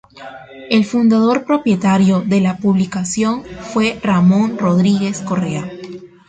El fundador-propietario de la publicación fue Ramón Rodríguez Correa.